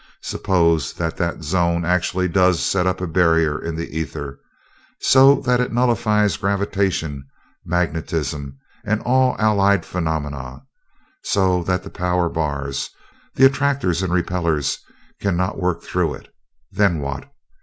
Suppose that that zone actually does set up a barrier in the ether, so that it nullifies gravitation, magnetism, and all allied phenomena; so that the power bars, the attractors and repellers, cannot work through it? Then what?